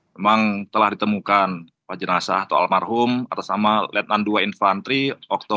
memang telah ditemukan pak jenazah atau almarhum atas sama letnan dua infanteri octo